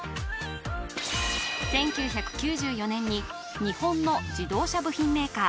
１９９４年に日本の自動車部品メーカー